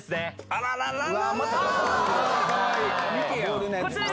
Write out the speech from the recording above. あらららら！